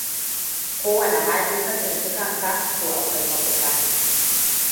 Kowane hali ka tsinci kan ka, to akwai mafita.